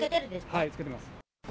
はい、つけてます。